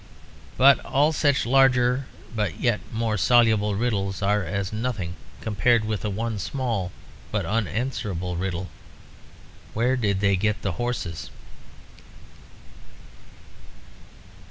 But all such larger but yet more soluble riddles are as nothing compared to the one small but unanswerable riddle: Where did they get the horses?